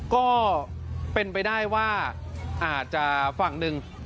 ก็เป็นไปได้ว่าอาจจะฝั่งหนึ่ง